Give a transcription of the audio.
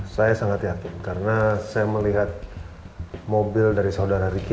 saya sangat yakin karena saya melihat mobil dari saudara ricky